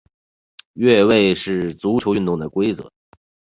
越位是足球运动的规则。